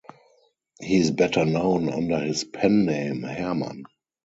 He is better known under his pen-name Hermann.